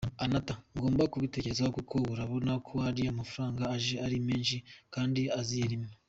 Enatha: “Ngomba kubitekerezaho kuko urabona ko ari amafaranga aje ari menshi kandi aziye rimwe.